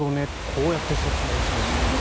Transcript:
こうやって説明される。